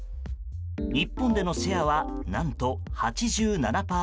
日本でのシェアは、何と８７％。